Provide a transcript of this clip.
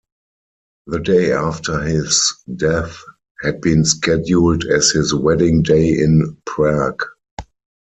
The day after his death had been scheduled as his wedding day in Prague.